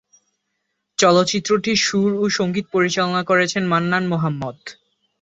চলচ্চিত্রটির সুর ও সঙ্গীত পরিচালনা করেছেন মান্নান মোহাম্মদ।